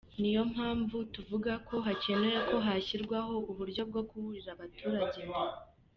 Ni yo mpamvu tuvuga ko hakenewe ko hashyirwaho uburyo bwo kuburira abaturage mbere.